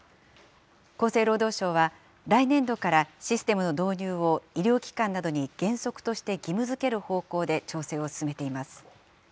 厚生労働省は、来年度からシステムの導入を医療機関などに原則として義務づける方向で調整を進めています。